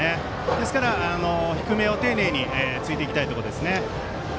ですから、低めを丁寧についていきたいですよね。